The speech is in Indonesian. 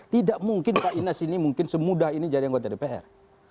tidak mungkin pak inas ini mungkin semudah ini jadi anggota dpr